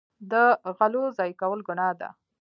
د غلو ضایع کول ګناه ده.